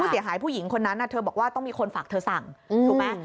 เสียหายผู้หญิงคนนั้นเธอบอกว่าต้องมีคนฝากเธอสั่งถูกไหม